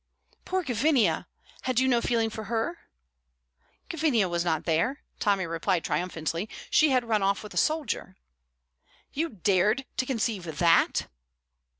"Poor Gavinia! Had you no feeling for her?" "Gavinia was not there," Tommy replied triumphantly. "She had run off with a soldier." "You dared to conceive that?"